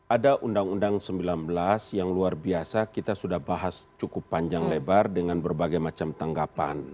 ada undang undang sembilan belas yang luar biasa kita sudah bahas cukup panjang lebar dengan berbagai macam tanggapan